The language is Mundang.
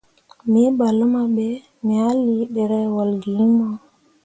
Me ɓah luma be, me ah lii ɗerewol gi iŋ mo.